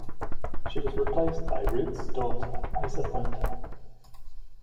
She was replaced by Ruth's daughter Issa Pointer.